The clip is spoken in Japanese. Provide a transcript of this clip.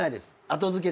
後付け？